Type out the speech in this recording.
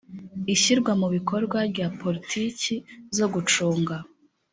ishyirwa mu bikorwa rya politiki zo gucunga